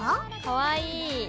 かわいい。